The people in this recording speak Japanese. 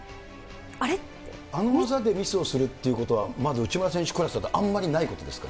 あの技でミスをするっていうことは、まず内村選手クラスだとあんまりないことですか？